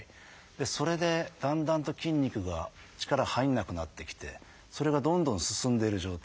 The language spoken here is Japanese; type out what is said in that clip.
それでだんだんと筋肉が力入らなくなってきてそれがどんどん進んでいる状態。